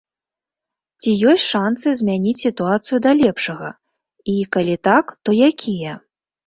Ці ёсць шанцы змяніць сітуацыю да лепшага і, калі так, то якія?